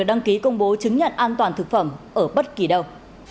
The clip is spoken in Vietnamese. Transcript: đăng ký công bố chứng nhận an toàn thực phẩm ở bất kỳ đâu